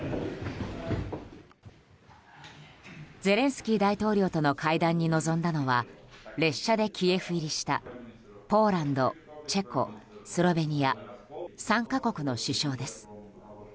ゼレンスキー大統領との会談に臨んだのは列車でキエフ入りしたポーランド、チェコ、スロベニア３か国の首相です。